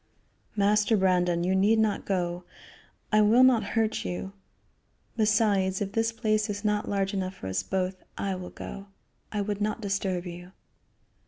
"Master Brandon, you need not go. I will not hurt you. Besides, if this place is not large enough for us both, I will go. I would not disturb you."